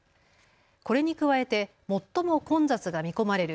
これに加えて最も混雑が見込まれる